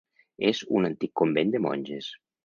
És un antic convent de monges.